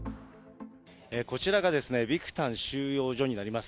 こちらがですね、ビクタン収容所になります。